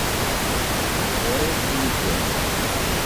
Ẓriɣ-t yid-m.